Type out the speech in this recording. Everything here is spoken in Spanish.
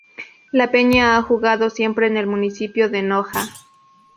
La peña ha jugado siempre en el municipio de Noja.